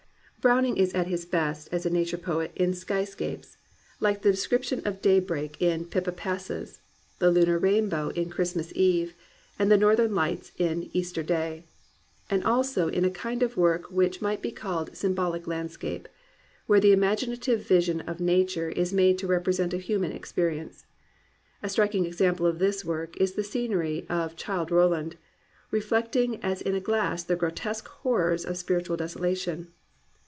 Browning is at his best as a Nature poet in sky 260 GLORY OF THE IMPERFECT*' scapes, like the description of daybreak in Pippa Passes, the lunar rainbow in Christmas Eve, and the Northern Lights in Easter Day; and also in a kind of work which might be called symbolic landscape, where the imaginative vision of nature is made to represent a human experience. A striking example of this work is the scenery of Childe Roland, reflect ing as in a glass the grotesque horrors of spiritual desolation.